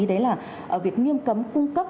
đấy là việc nghiêm cấm cung cấp